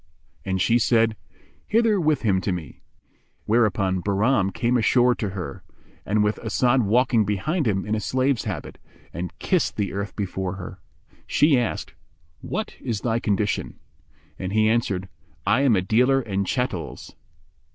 And she said, "Hither with him to me"; whereupon Bahram came ashore to her, with As'ad walking behind him in a slave's habit, and kissed the earth before her. She asked, "What is thy condition?"; and he answered, "I am a dealer in chattels."